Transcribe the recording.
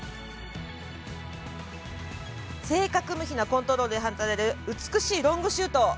正確無比なコントロールで放たれる、美しいロングシュート。